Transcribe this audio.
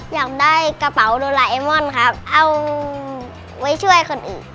อยากได้กระเป๋าดูลไลน์แอมม่อนเอาไว้ช่วยคนอื่น